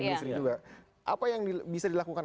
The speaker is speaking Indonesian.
industri juga apa yang bisa dilakukan